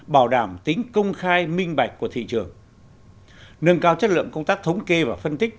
bảo đảm tính công khai minh bạch của thị trường nâng cao chất lượng công tác thống kê và phân tích